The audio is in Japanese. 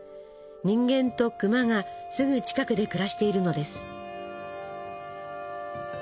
人間と熊がすぐ近くで暮らしているのです。